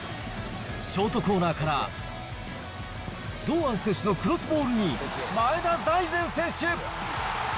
ショートコーナーから、堂安選手のクロスボールに前田大然選手。